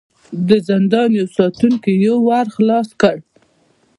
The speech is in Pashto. د زندان يوه ساتونکي يو ور خلاص کړ.